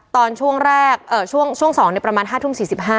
ตอนช่วงแรกช่วง๒ประมาณ๕ทุ่ม๔๕